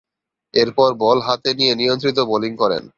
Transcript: এরপর, বল হাতে নিয়ে নিয়ন্ত্রিত বোলিং করেন।